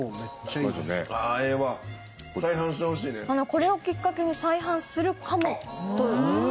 これをきっかけに再販するかもという。